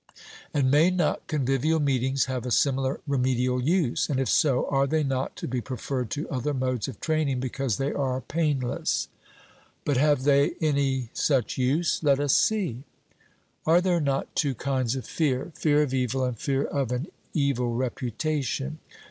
And may not convivial meetings have a similar remedial use? And if so, are they not to be preferred to other modes of training because they are painless? 'But have they any such use?' Let us see: Are there not two kinds of fear fear of evil and fear of an evil reputation?